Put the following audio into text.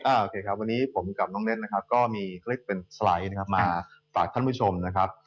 โอเคครับวันนี้ผมกับน้องเน็ตก็มีสไลด์มาฝากท่านผู้ชมนะครับ